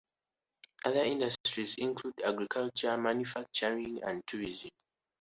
Other industries include agriculture, manufacturing and tourism.